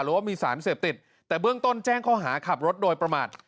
ว่ามีสารเสพติดแต่เบื้องต้นแจ้งข้อหาขับรถโดยประมาท